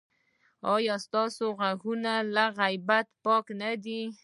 ایا ستاسو غوږونه له غیبت پاک نه دي؟